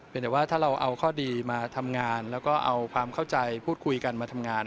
เป็นแต่ว่าถ้าเราเอาข้อดีมาทำงานแล้วก็เอาความเข้าใจพูดคุยกันมาทำงาน